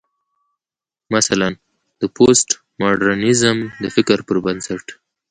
مثلا: د پوسټ ماډرنيزم د فکر پر بنسټ